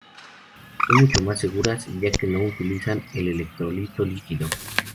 Son mucho más seguras, ya que no utilizan el electrolito líquido.